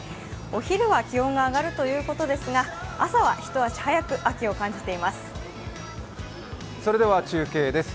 お昼は気温が上がるということですが、朝は一足早く秋を感じています。